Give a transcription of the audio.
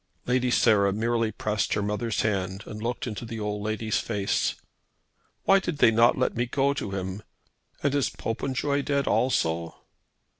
Lady Sarah merely pressed her mother's hand and looked into the old lady's face. "Why did not they let me go to him? And is Popenjoy dead also?"